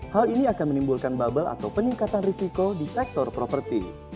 hal ini akan menimbulkan bubble atau peningkatan risiko di sektor properti